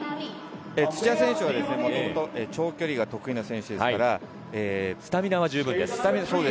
土屋選手は長距離が得意な選手ですから、スタミナは十分。